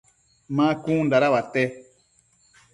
ma cun dada uate ?